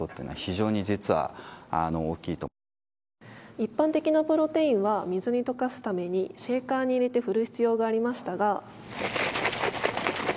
一般的なプロテインは水に溶かすためにシェイカーに入れて振る必要がありましたが。